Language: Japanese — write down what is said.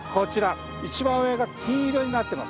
一番上が金色になってます。